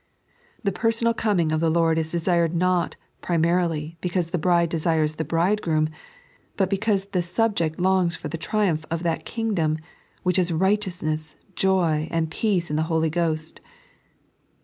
The personal coming of the Lord is desired not, primarily, heoause the Bride desires the Bridegroom ; but because the subject longs for the triumph of that Kingdom, which is righteousness, joy, and peace in the Holy Ghost.